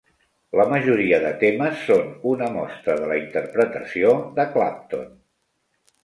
La majoria de temes són una mostra de la interpretació de Clapton.